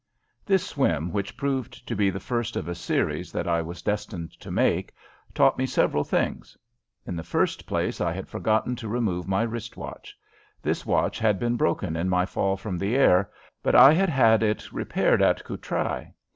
This swim, which proved to be the first of a series that I was destined to make, taught me several things. In the first place, I had forgotten to remove my wrist watch. This watch had been broken in my fall from the air, but I had had it repaired at Courtrai.